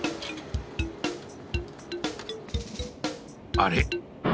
あれ？